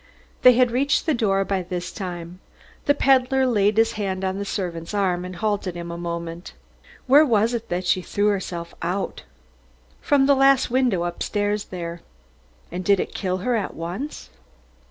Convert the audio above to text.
They had reached the door by this time. The peddler laid his hand on the servant's arm and halted a moment. "Where was it that she threw herself out?" "From the last window upstairs there." "And did it kill her at once?"